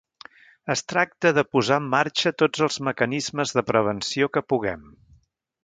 Es tracta de posar en marxa tots els mecanismes de prevenció que puguem.